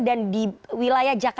dan di wilayah jakarta